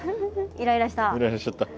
イライラしちゃった。